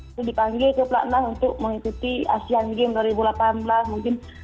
itu dipanggil ke platnas untuk mengikuti asean games dua ribu delapan belas mungkin